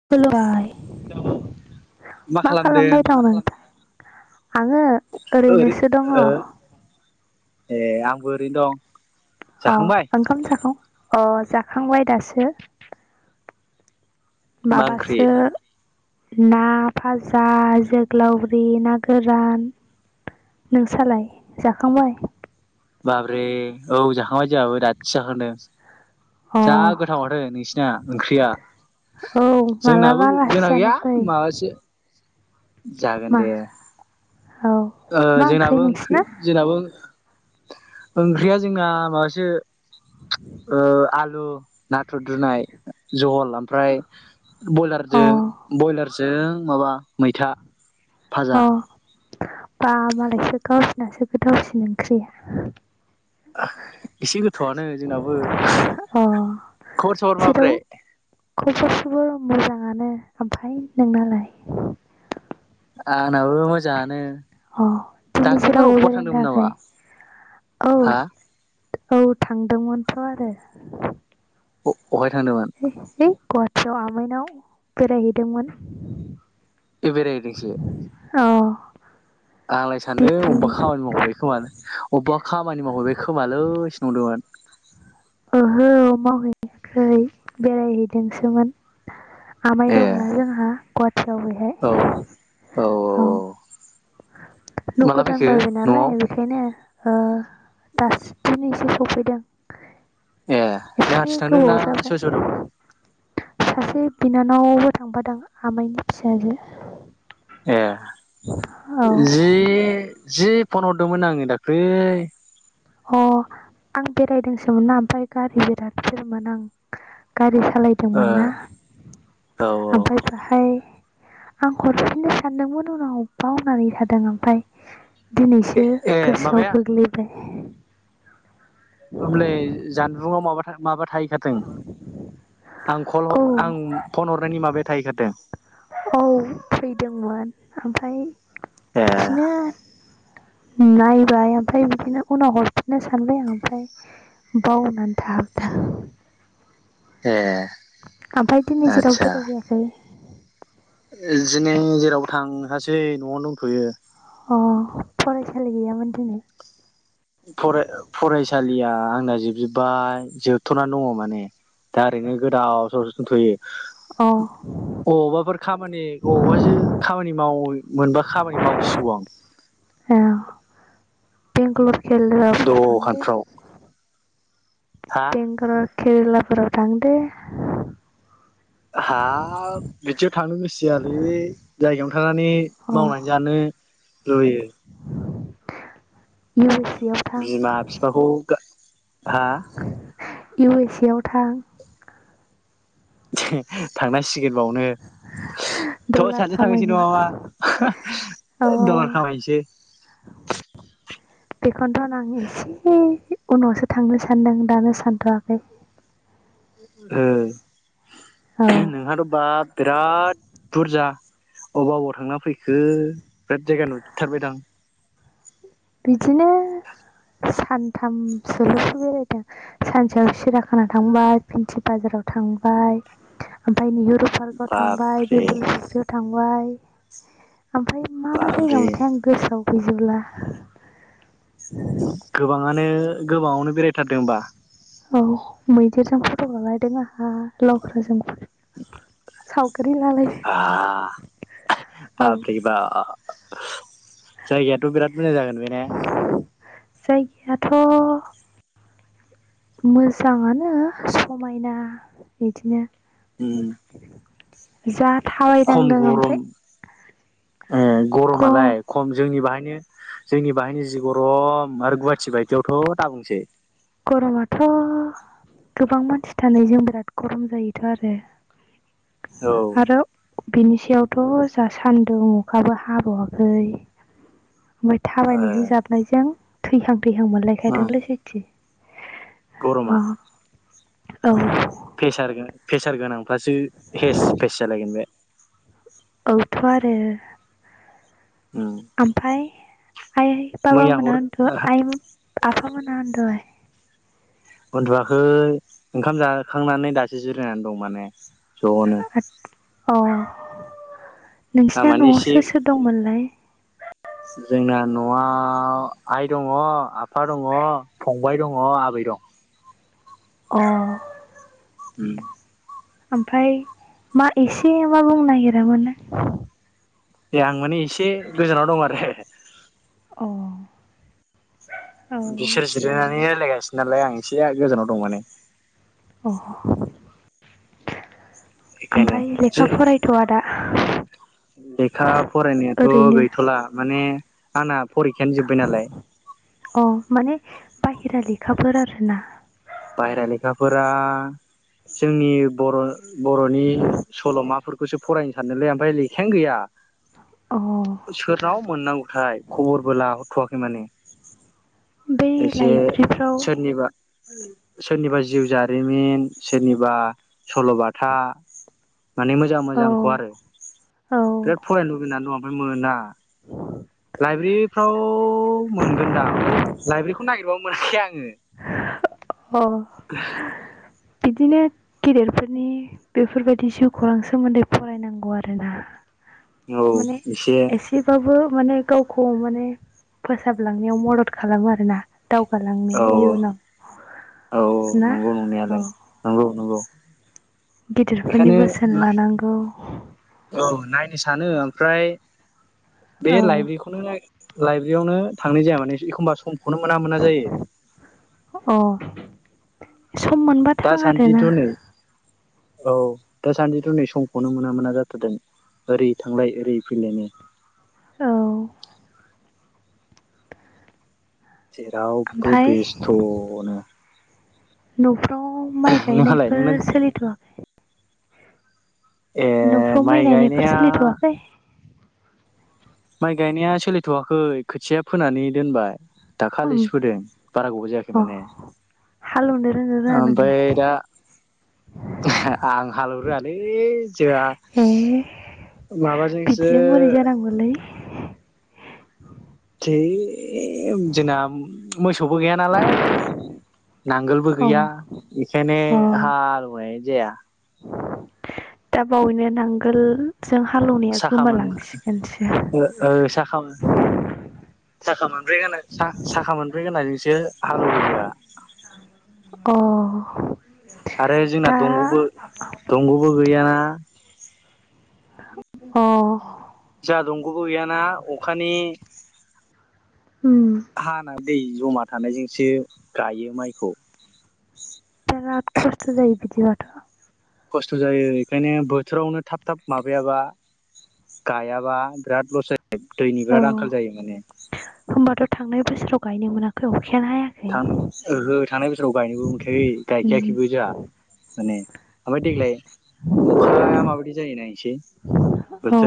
[unintelligible] मा खालामबाय दं नोंथां? आंङो ओरै ओरैनोसो दङ। ओ ए आंबो ओरैनो दं। अ जाखांबाय ओंखाम जाखां अ जाखांबाय दासो। मा ओंख्रि माबासो ना फाजा जोग्लावरि ना गोरान। नोंसालाय जाखांबाय? बाब्रे औ जाखांबाय जोहाबो दादसो जाखांदों। अ जा गोथाव माथो नोंसिना ओंख्रिया औ जोंनाबो मालाबा आलासि जोंना जानो गैया फै माबासो जागोन मा दे। औ ओ मा जोंनाबो ओंख्रि नोंसिना जोंनाबो ओंख्रिया जोंना माबासो ओ आलु नाथुर रुनाय जहल, ओमफ्राय अ बयलारजो बयलार, जों माबा मैथा फाजा अ बा मालायसो गावसिनासो गोथावसिन ओंख्रिया एसे गोथौआनो जोंनाबो अ ख'बर स'बर जेराव माब्रै, ख'बर स'बर मोजाङानो ओमफ्राय नोंनालाय? आंनाबो मोजाङानो। अ दिनै दाख्लैफोर जेरावबो अबेबा बेरायनो थांदोंमोन नामा थाङायै हा औ औ थांदोंमोनथ' आरो औ है गुवाहाट टियाव आमाइनाव बेरायहैदोंमोन ए बेरायहैदोंसो औ आंलाय सानदों अबेबा खामानि मावहैबाय खोमानो अबेबा खामानि मावहैबाय खोमालैसो नंदोंमोन, ओहो मावहैयाखै बेरायहैदोंसोमोन, आमाइ ए दंना जोंहा, जाव औ बेहाय औ न' माला गोदान फैखो बायबाय न'आव नालाय बेखायनो, ओ दासो दिनैसो सौफैदों, एह नों हारसिं थांदों ना सोरबा सोरबा थांबाव सासे बिनानावबो थांफादोंं आमाइनि फिसाजो, ए औ जि जिद फन हरदोंमोन आङो दाख्लै, अ आं बेरायदोंसोमोन ना ओमफ्राय गारि बिराद बिरमोन आं गारि ओ सालायदोंमोन ना औ ओमफाय बाहाय आं हरफिननो सानदोंमोन उनाव बावनानै थादों ओनफाय, ए दिनैसो ए गोसोआव माबाया गोग्लैबाय, ओंलै जानबुङाव माबा था माबाद थाहैखादों आं कल औ आं फन हरनायनि माबाया थाहैखादों। औ फैदोंमोन ओमफ्राय, ए बिदिनो नायबाय ओमफाय बिदिनो उनाव हरफिननो सानबाय आं ओमफाय बावनानै थाब था ए आमफाय दिनै जेराव आदसा बेराय हैयाखै ओ जिनै जेराव थांहासै नआवनो दंथयो। अ फरायसालि गैयामोन दिनै फरा फरायसालिया आंना जोबजोब्बाय जोबथनानै दङ माने दा ओरैनो गोदाव सोरावसो दंथयो। अ अबावबाफोर खामानि अबावबासो खामानि मावयै मोनबा खामानि मावसिगौ आं ए बेंगलर खेलराफोराव थांदो दखानफ्राव हा बेंकारा केरेलाफोराव थांदो हाब बिदियाव थांनो गोसोजायालै जायगायावनो थाना नि अ मावनानै जानो जयो [inaudible] बिमा बिफाखौ गा हा इउ एस ए आव थां [unintelligible] थांनांसि गिरबावनो थ डलार सानजों थांनोसै खामायहै नङाबा अ दलार खामायसै बेखौनथन आं एसे उनावसो थांनो सानदों दानो सानथवाखै औ [unintelligible] नोंहाथ बाब बिराद बुरजा अबाव अबाव थांना फैखो बिराद जायगा नुथारबायदां बिदिनो सानथामसोल सो बेरायदों सानसेयाव सिराखाना थांबाय फिन्सि बाजाराव थांबाय ओमफ्राय निहुर पार्कआव थांबाय बाब्रे दिब्रुरियाव थांबाय बाय ओमफ्राय मा मा जायगा बाब्रे मोनथाय आं गोसोआव गैजोबला गोबाङानो गोबावनो बेरायथारदों होमबा औ मैदेरजों फट लालायदों आंहा लख्राजों सावगारि बा लालायदों औ बा बारे बा जायगायाथ बिराद मोजां जागोन बे ने थ मोजाङानो समायना बिदिनो उम [inaudible] जा। थाबायनांदों ओमफ्राय। ए गरमालाय खम जोंनि बाहाय। नो जोंनि बाहायनि जि गरम आरो गुवाहाटि बायदियावथ दाबुंसै। गरमाथ गोबां मानसि थानाय जों बिराद गरम जायोथ आरो। औ। आरो बिनि सायावथ जा सान्दुं अखाबो हाबावाखै। ओमफ्राय थाबायनायजों ओ जाबनायजों। थैहां। थैहां थैहां मोनलायखादोंलै सयथि। गरमा। औ। फेसार फेसार गोनां। फ्रेसार गोनांफ्रासो फेस फेस जालायगोन बे। औथ आरो। उम ओमफ्राय। आइ बाबा मैया हर मोनहा आइ आफा मोनहा उनदुबाय। उनदुआखै ओंखाम जाखांनानै दासो जिरायनानै दं माने। जनो। औ। आं नोंसिना माने नआव एसे सोर सोर दंमोनलाय। जोंना नआव आइ दङ आफा दङ फंबाय दङ आबै दं। अ। उम। ओमफ्राय मा एसे मा बुंनो नागिरामोन। ए आं माने। एसे गोजानाव दं आरो। अ। औ बिसोर अ जिरायनानै रायलायगासिनो नालाय आं। एसेया गोजानाव दं माने। अ बेखायनो ओमफ्राय जे लेखा फरायथ'आ दा [unintelligible] लेखा फरायनायाथ' ओरैनो गैथ'ला माने आना फरिखायानो जोब्बाय नालाय। अ माने बाहेरा लेखाफोर आरो ना बाहेरा लेखाफोरा जोंनि बर' बर'नि सल'माफोरखौ बेखौसो फरायनो सानदोलै ओफाय लेखायानो गैया। अ सोरनाव मोननांगौथाय खबरबो लाहरथ'वाखै। बेमाने बे लाइबेरिफ्राव [unintelligible] सोरनिबा जिउ जारिमिन सोरनिबा सल'बाथा माने मोजां औ मोजांखौ आरो औ बिराद फरायनो लुबैनानै दङ। ओमफ्राय मोना। लाइब्रेरिफ्राव मोनगोनदां ओमफाय लाइब्रेरिखौ नागिरबाबो मोनखाया आङो। अ बिदिनो गेदेरफोरनि बेफोरबायदि जिउखौरां सोमोन्दै फरायनांगौ आरोना। औ माने एसे एसेबाबो माने गावखौ माने फोसाबलांनायाव मदद खालामो आरो ना। औ औ ना नंगौ औ नंनायालाय नंगौ नंगौ। गिदिरफोरनि बेखायनो बोसोन लानांगौ औ नायनो सानो ओमफ्राय बे औ लाइब्रेरिखौनो लाइब्रेरियावनो थांनाय जाया माने एखमबा सम बेखौनो मोना मोना जायो। अ सम मोनबा थां आरोना दासान्दिथ' नै औ दासान्दिथ' नै समखौनो मोना मोना जाथारदों ओरै थांलाय ओरै फैलायनो औ जेरावबो ओमफाय बेस्थ'नो न' माइ नोंहालाय नोंना गायनायफोर सोलिथ'वाखै? ए न'फ्राव माइ गायनायफोर सोलिथ'वाखै? माइ गायनाया सोलिथ'वाखै खोथिया फोनानै दोनबाय। उम दाखालिसो फोदों बारा गोबा जायाखै अ माने हालौनो रोङो रोङा ओमफ्राय नोंलाय दा आं हालेव रोआलै जोंहा ए माबाजोंसो बिदिजों बोरै जानांगौलै। ए ए जोंना मोसौबो गैया नालाय नांगोलबो अ गैया बेखायनो अ हालुवा जाया दा बावैनो नांगोल जों हालौवनाया साखा मोन गोमालांसिगोनसो ओ साखामोन ब्रै गोना सा-साखा मोनब्रै गोनजोंसो हालोवो जोहा अ आरो जोंना दा दंग'बो दंग'बो गैयाना अ जाहा दंग'बो गैयाना अखानि उम हाना दै जमा थानायजोंसो गायो माइखौ बिराद खस्थ' जायो बिदिबाथ' खस्थ' जायो बेखायनो बोथोरावनो थाब थाब माबायाबा गायाबा बिराद लस जायो दैनि औ बिराद आंखाल जायो माने होमबाथ' थांनाय बोसोराव गायनो मोनाखै अ थां ओहो थांनाय बोसोराव गायनोबो मोनखायाखै उम गायखायाखैबो जोंहा माने ओमफ्राय देग्लाय अखाया माबायदि जायो नाय औ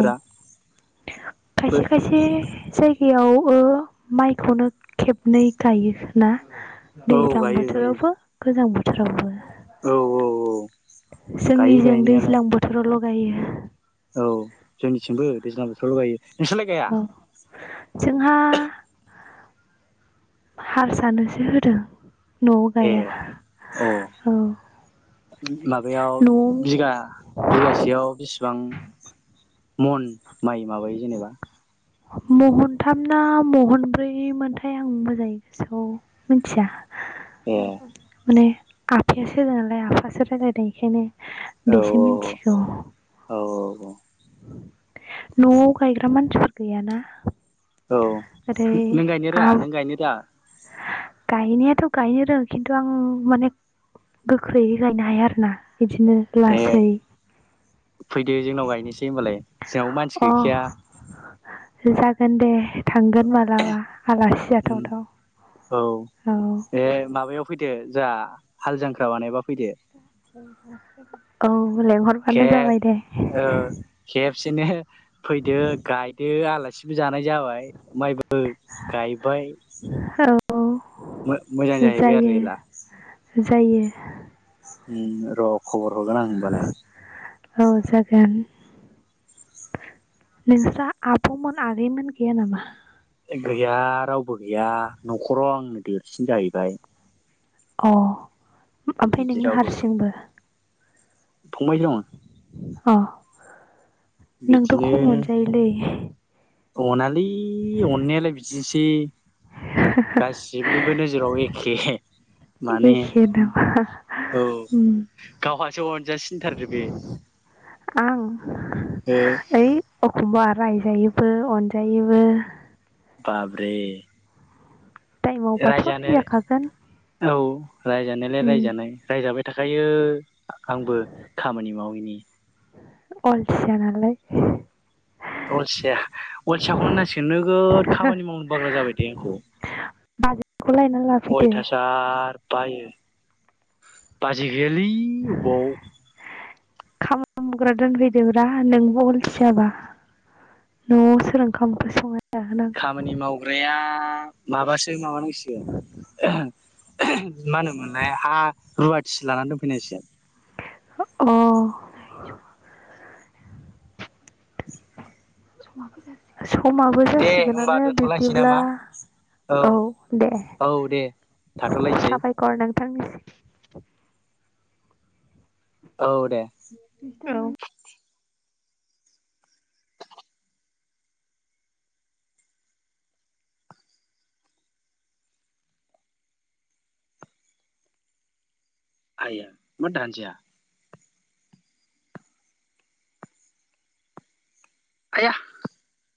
खायसे खायसे जाय बेयाव ओ माइखौनो खेबनै गायो ना औ दैज्लां गायो गायो बोथोरावबो गोजां बो थोराबो औ औ जोंनि गायो जों गायनायालाय दैज्लां बोथोराव ल' बायो औ जोंनिथिंबो दैज्लां बोथोराव गायो नोंसोरलाय गाया औ जोंहा हारसानोसो होदों न'आव ए गाया अ औ उम माबायाव न'आव बिगा बिगासेयाव बिसेबां मन माइ माबायो जेनेबा महनथाम ना महनब्रै मोनथाय आं मोजांङै गोसोखौ मिन्थिया ए माने आफायासो नालाय आफासो रायलायदों बेखायनो औ बेसे मिनथिगौ औ नवाव गायग्रा मानसिफोर गैयाना औ ओरै नों गायनो आं राङा नों गायनो रोङा। गायनायाथ गायनो रों खिन्थु आं माने गोख्रैयै गायनो हाया आरो ना ए फैदो जोंनाव गायनोसै होमबालाय जोंनावबो मानसि अ गैखाया जागोन दे। थांगोन मालाबा आलासि जाथावथाव औ औ ए माबायाव फैदो जोआ हाल जांख्रा बानायबा फैदो। औ लेंहरबानो जाबाय दे। सिनो फैदो गायदो आलासि सिबो जानाय जाबाय माइबो गायबाय औ मो-मोजां जाहैबाय आरो जायो एला जायो। उम र खबर हरगोन आं होमबालाय औ जागोन नोंस्रा आबमोन आगैमोन गैया नामा? गैया रावबो गैया नखराव आंनो देरसिन जाहैबाय अ ओमफ्राय बिदि नोंनो रावबो गैया हारसिंबो फंबाय दं अ नोंथ बिदिनो खम मोनजायोलै अनालै अननायालाय बिदिसै गासिबनिबो नोजोराव एखे माने एखे नामा औ उम गावहासो अनजासिनथारदो बे ओ अखमबा रायजायोबो अनजायोबो बाब्रे। टाइमावबाथ' रायजाखागोन रायजानाया औ रायजानायालाय उम रायजानाय रायजाबाय थाखायो। आंबो खामानि मावैनि अलसियानालाय। अलसिया अलयाखौनो नांसिगोन नोगोद खामानि मावनो बाग्रा जाबाय दे आंखौ बाजैखौ लायना लाफैदो अयथासार बायो बाजि गैयालै अबावाव खामनि मावग्रा दोनफैदोब्रा नोंबो अलसियाबा नआव सोर ओंखाम ओंखौ संनो खामानि मावग्राया माबासो माबानांसिगोन माहोनो मोनलाय ह रुवाथि लानानै दोनफैनांसिगोन। अ। [inaudible] समाबो दे होमबा जासिगोनानो दोनथ'लायनोसै बिब्दिब्ला नामा औ दे औ दे थाथ'लायनोसै साफायखर नों थांसै। औ दे। [unintelligible] आया मा दान्जाया। [unintelligible]